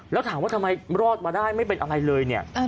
แล้วถามว่าทำไมรอดมาได้ไม่เป็นอะไรเลยเนี่ย